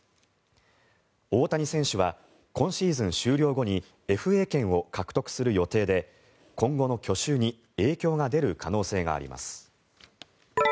大谷選手は今シーズン終了後にＦＡ権を獲得する予定で今後の去就に影響が出る可能性があります。